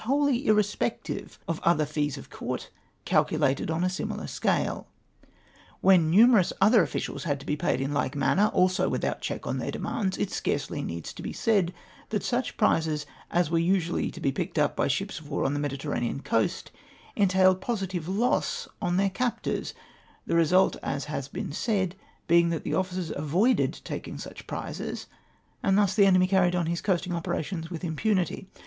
wholly irre spective of other fees of Court calculated on a similar scale. When numerous other officials had to be paid in hke mamier, also without check on their demands, it scarcely needs to be said that such prizes as were usually to be picked up by ships of war on the Mediterranean coast entailed positive loss on their cap tors ; the result, as has been said, being that officers avoided taking such prizes, and thus the enemy carried on his coasting operations with impunity.